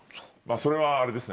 それはあれですね。